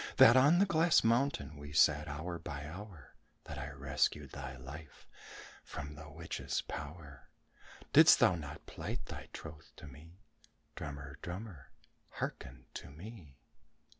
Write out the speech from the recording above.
That on the glass mountain we sat hour by hour? That I rescued thy life from the witch's power? Didst thou not plight thy troth to me? Drummer, drummer, hearken to me!"